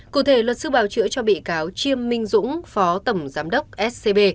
cụ thể luật sư bào chữa cho bị cáo chiêm minh dũng phó tổng giám đốc scb